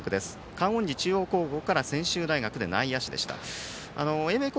観音寺中央高校から専修大学で、内野手でした。